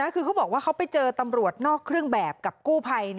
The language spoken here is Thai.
คือเขาบอกว่าเขาไปเจอตำรวจนอกเครื่องแบบกับกู้ภัย